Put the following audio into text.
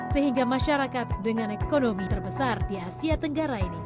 sehingga masyarakat dengan ekonomi terbesar di asia tenggara ini